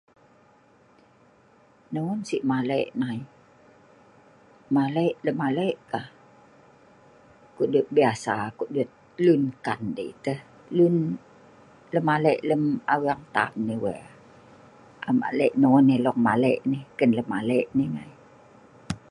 Non si' male' nai. Male' lemmale kah? Ko'duet biasa ko'duet lun nkan dei tah luen lemmale' lem aweeng tam ngai we. Am eek le' non elong male nai. Kan lemmale' nai ngai.